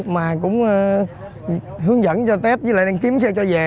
mà cũng hướng dẫn cho tết với lại đang kiếm xe cho về